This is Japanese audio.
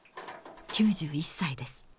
９１歳です。